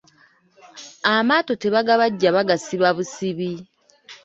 Amaato tebagabajja bagasiba busibi.